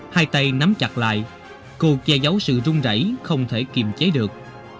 hai tay nắm chặt lại cô che giấu sự rung rảy không thể kiềm chế được